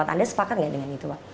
anda sepakat nggak dengan itu pak